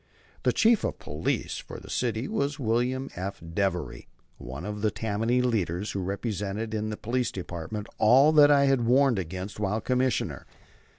The Chief of Police for the city was William F. Devery, one of the Tammany leaders, who represented in the Police Department all that I had warred against while Commissioner.